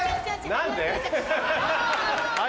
何で？